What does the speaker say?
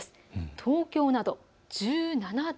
東京など１７度。